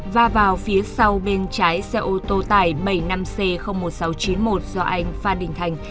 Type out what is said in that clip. và vào phía sau bên trái xe ô tô tải bảy mươi năm c một nghìn sáu trăm chín mươi một do anh phan đình thành